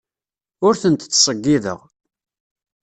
Ur tent-ttṣeyyideɣ.